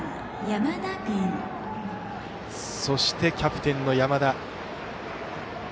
そして、キャプテンの山田。